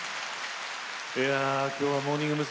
今日はモーニング娘。